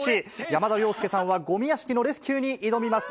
山田涼介さんはゴミ屋敷のレスキューに挑みます。